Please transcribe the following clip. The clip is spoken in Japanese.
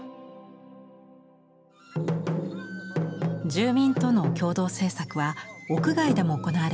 住民との共同制作は屋外でも行われました。